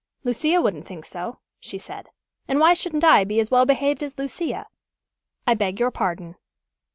"Lucia wouldn't think so," she said. "And why shouldn't I be as well behaved as Lucia? I beg your pardon."